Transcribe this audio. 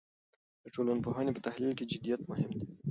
د ټولنپوهنې په تحلیل کې جدیت مهم دی.